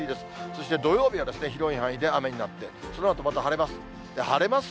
そして土曜日は広い範囲で雨になって、そのあとまた晴れます。